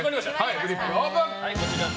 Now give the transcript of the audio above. フリップオープン！